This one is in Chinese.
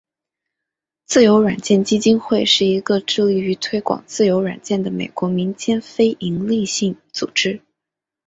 自由软件基金会是一个致力于推广自由软件的美国民间非营利性组织。